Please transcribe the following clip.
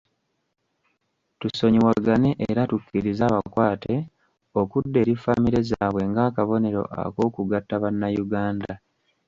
Tusonyiwagane era tukkirize abakwate okudda eri ffamire zaabwe ng’akabonero ak’okugatta bannayuganda.